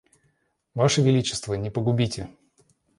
Ваше величество не погубите.